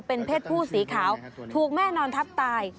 เป็นเพศผู้สีขาวถูกแม่นอนทับตาย